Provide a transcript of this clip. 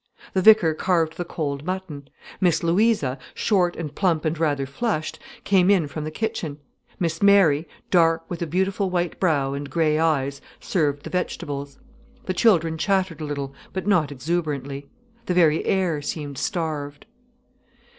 The vicar carved the cold mutton; Miss Louisa, short and plump and rather flushed, came in from the kitchen; Miss Mary, dark, with a beautiful white brow and grey eyes, served the vegetables; the children chattered a little, but not exuberantly. The very air seemed starved.